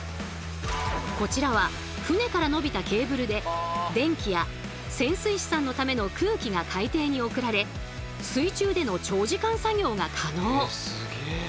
こちらは船から伸びたケーブルで電気や潜水士さんのための空気が海底に送られ水中での長時間作業が可能。